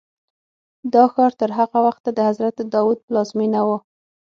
دا ښار تر هغه وخته د حضرت داود پلازمینه وه.